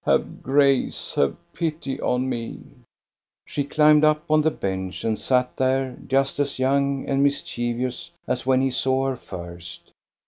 Have grace, have pity on me!" She climbed up on the bench and sat there, just as young and mischievous as when he saw her first.